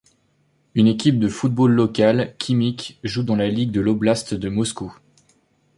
Une équipe de football locale, Khimik, joue dans la ligue de l'oblast de Moscou.